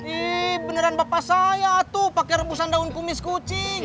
ih beneran bapak saya tuh pakai rebusan daun kumis kucing